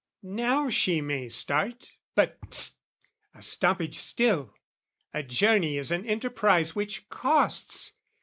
Now she may start: but hist, a stoppage still! A journey is an enterprise which costs!